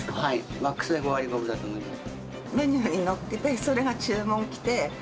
マックスで５割５分だと思います。